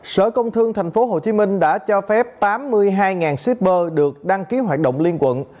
sở công thương tp hcm đã cho phép tám mươi hai shipper được đăng ký hoạt động liên quận